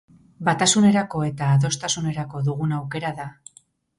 Batasunerako eta adostasunerako dugun aukera da.